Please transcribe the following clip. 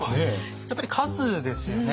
やっぱり数ですよね。